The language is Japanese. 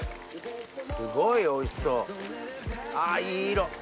すごいおいしそうあいい色。